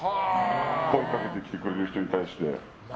声掛けてくれる人に対して。